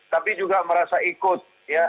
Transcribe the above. tapi juga merasa ikut ya